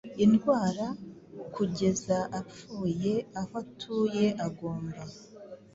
Indwara kugeza apfuyeaho atuye agomba